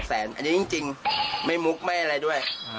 อันนี้จริงไม่มุกไม่อะไรด้วย